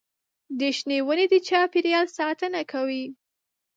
د شنې ونې د چاپېریال ساتنه کوي.